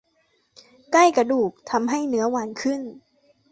ใกล้กระดูกทำให้เนื้อหวานขึ้น